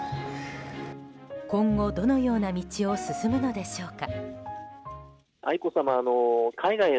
今後、どのような道を進むのでしょうか。